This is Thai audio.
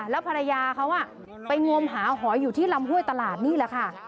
แล้วภรรยาเขาไปงมหาหอยอยู่ที่ลำห้วยตลาดนี่แหละค่ะ